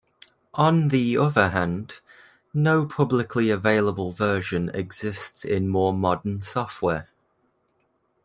On the other hand, no publicly available version exists in more modern software.